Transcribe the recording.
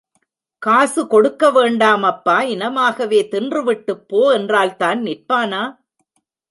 காசு கொடுக்க வேண்டாம் அப்பா இனாமாகவே தின்றுவிட்டுப் போ என்றால்தான் நிற்பானா?